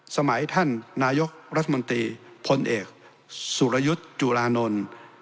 สมัยท่านนายกรัฐมนตรีพลเอกสุรยุทธ์จุลานนท์